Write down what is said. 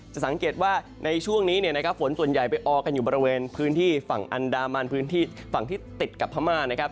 สังเกตว่าในช่วงนี้เนี่ยนะครับฝนส่วนใหญ่ไปออกันอยู่บริเวณพื้นที่ฝั่งอันดามันพื้นที่ฝั่งที่ติดกับพม่านะครับ